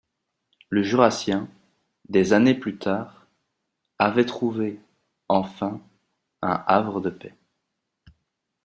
Le Jurassien, des années plus tard, avait trouvé, enfin, un havre de paix